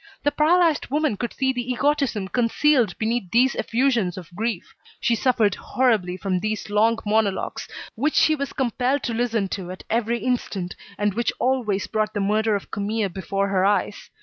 The paralysed woman could see the egotism concealed beneath these effusions of grief. She suffered horribly from these long monologues which she was compelled to listen to at every instant, and which always brought the murder of Camille before her eyes.